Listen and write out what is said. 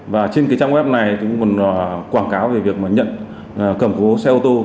và trên cái trang web này chúng mình quảng cáo về việc mà nhận cầm cố xe ô tô